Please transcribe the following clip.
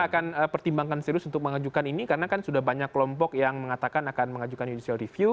kita akan pertimbangkan serius untuk mengajukan ini karena kan sudah banyak kelompok yang mengatakan akan mengajukan judicial review